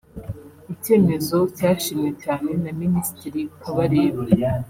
icyemezo cyashimwe cyane na Minisitiri Kabarebe